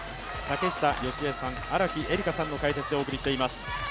竹下佳江さん、荒木絵里香さんの解説でお送りしています。